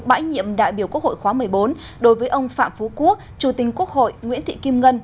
bãi nhiệm đại biểu quốc hội khóa một mươi bốn đối với ông phạm phú quốc chủ tình quốc hội nguyễn thị kim ngân